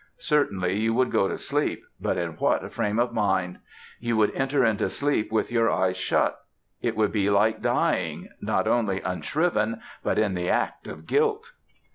Certainly you would go to sleep; but in what a frame of mind! You would enter into sleep with your eyes shut. It would be like dying, not only unshriven, but in the act of guilt.